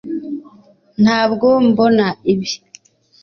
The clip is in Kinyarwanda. ntabwo mbona ibi